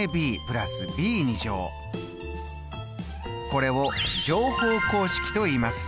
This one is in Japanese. これを乗法公式といいます。